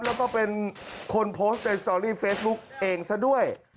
แล้วก็เป็นคนโพสต์ในสตอรี่เฟซบุ๊กเองซะด้วย